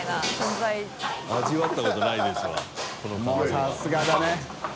發さすがだね。